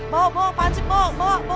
mau mau pak cip mau